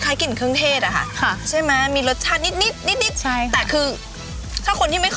ได้ค่ะเอาต้นเดิมใช่ไหมคะ